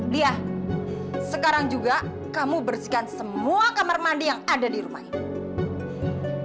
lia sekarang juga kamu bersihkan semua kamar mandi yang ada di rumah ini